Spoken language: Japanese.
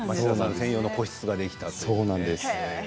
専用の個室ができたんですね。